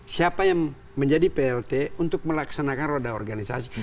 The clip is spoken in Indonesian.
siapa yang menjadi plt untuk melaksanakan roda organisasi